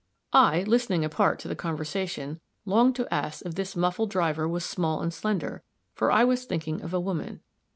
I, listening apart to the conversation, longed to ask if this muffled driver was small and slender, for I was thinking of a woman.